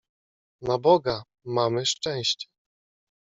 "Na Boga, mamy szczęście!"